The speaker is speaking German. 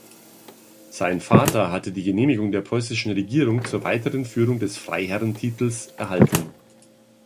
Sein Vater hatte die Genehmigung der preußischen Regierung zur weiteren Führung des Freiherrentitels erhalten.